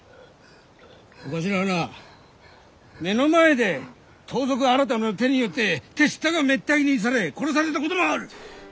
お頭はな目の前で盗賊改の手によって手下がめった斬りにされ殺されたこともある。